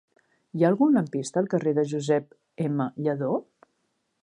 Hi ha algun lampista al carrer de Josep M. Lladó?